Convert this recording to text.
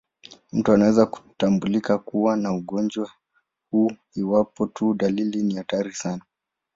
Mtu anaweza kutambulika kuwa na ugonjwa huu iwapo tu dalili ni hatari sana.